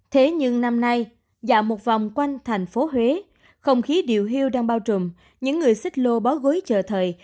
thế nhưng năm nay dạo một vòng quanh tp huế không khí điều hiu đang bao trùm những người xích lô bó gối chờ thời